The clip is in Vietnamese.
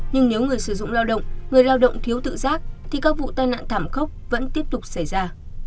nhưng nếu người sử dụng lao động người lao động thiếu tự giác thì các vụ tai nạn thảm khốc vẫn tiếp tục xảy ra